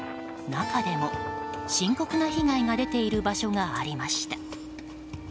中でも深刻な被害が出ている場所がありました。